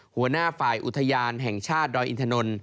หัวหน้าฝ่ายอุทยานแห่งชาติดอยอินทนนท